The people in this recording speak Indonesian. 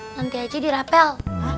nanti aja dirapel